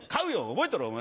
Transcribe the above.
覚えてろお前。